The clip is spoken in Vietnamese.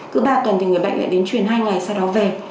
cứ ba tuần thì người bệnh lại đến truyền hai ngày sau đó về